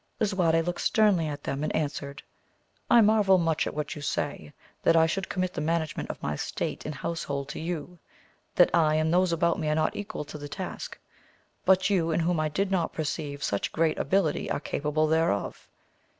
Lisuarte looked sternly at them and an swered, I marvel much at what you say, that I should commit the management of my state and household to you ! that I and those about me are not equal to the task — ^but you, in whom I did not perceive such great ability are capable thereof